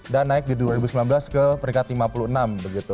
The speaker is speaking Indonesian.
dan naik di dua ribu sembilan belas ke peringkat lima puluh enam begitu